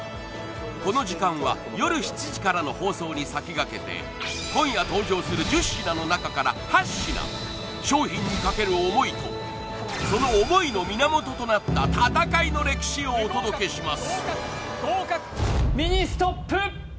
この時間は夜７時からの放送に先駆けて今夜登場する１０品の中から８品商品にかける思いとその思いの源となった戦いの歴史をお届けします！